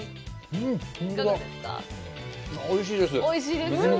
おいしいです。